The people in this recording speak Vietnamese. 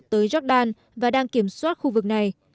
tới jordan và đang kiểm soát khu vực này